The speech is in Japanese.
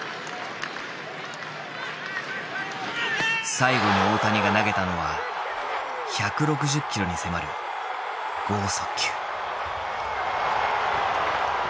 最後に大谷が投げたのは１６０キロに迫る剛速球。